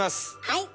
はい。